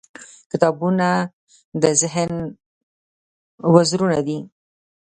• کتابونه د ذهن وزرونه دي.